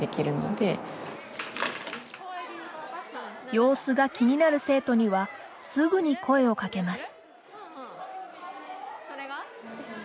様子が気になる生徒にはすぐに声をかけます。